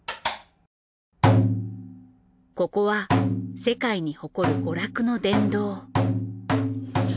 ここは世界に誇る娯楽の殿堂。